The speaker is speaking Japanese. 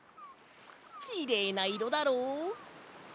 きれいないろだろう？